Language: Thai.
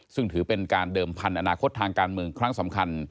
ซึ่งถือเป็นการเดิมพันธุ์อนาคตทางการเมืองครั้งสำคัญ